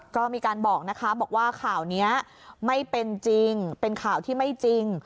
ก็มีการบอกนะคะบอกว่าข่าวนี้ไม่เป็นจริงเป็นข่าวที่ไม่จริง